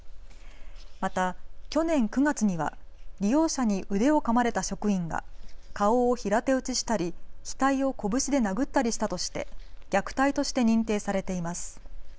また去年９月には利用者に腕をかまれた職員が顔を平手打ちしたり額を拳で殴ったりしたとして虐待として認定されています。